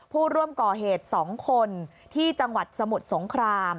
ผู้ร่วมก่อเหตุ๒คนที่จังหวัดสมุทรสงคราม